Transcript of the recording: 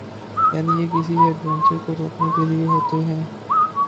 یعنی یہ کسی ایڈونچر کو روکنے کے لئے ہوتے ہیں۔